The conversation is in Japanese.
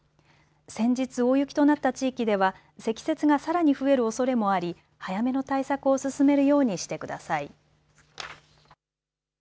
先日、大雪となった地域では積雪がさらに増えるおそれもあり早めの対策を進めるようにしてください。